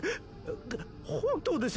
あ本当です。